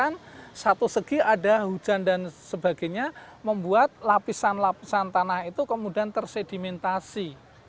dan satu segi ada hujan dan sebagainya membuat lapisan lapisan tanah itu kemudian tersedimentasi